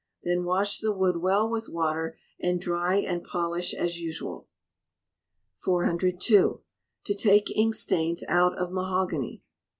Then wash the wood well with water, and dry and polish as usual. 402. To take Ink Stains out of Mahogany.